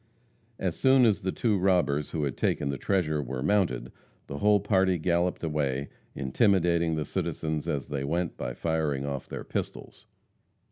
As soon as the two robbers who had taken the treasure were mounted, the whole party galloped away, intimidating the citizens as they went by firing off their pistols.